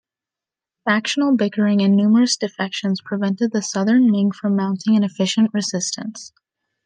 Factional bickering and numerous defections prevented the Southern Ming from mounting an efficient resistance.